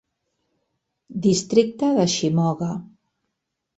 Districte de Shimoga.